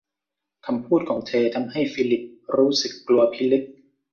คำพูดของเธอ ทำให้ฟิลิปรู้สึกกลัวพิลึก